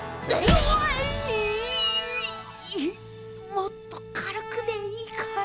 もっと軽くでいいから。